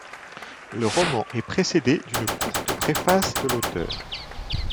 Le roman est précédé d'une courte préface de l'auteur.